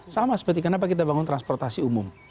sama seperti kenapa kita bangun transportasi umum